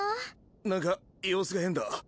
なんか様子が変だ。